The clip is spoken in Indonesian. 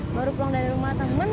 baru pulang dari rumah temen